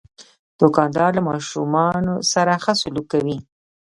دوکاندار له ماشومان سره ښه سلوک کوي.